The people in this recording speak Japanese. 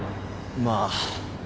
まあ。